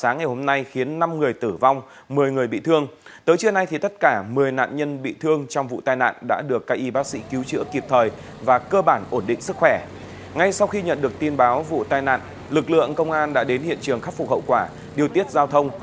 ngay sau khi nhận được tin báo vụ tai nạn lực lượng công an đã đến hiện trường khắc phục hậu quả điều tiết giao thông